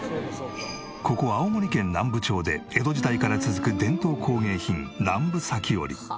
ここ青森県南部町で江戸時代から続く伝統工芸品南部裂織。